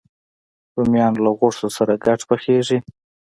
رومیان له غوښو سره ګډ پخېږي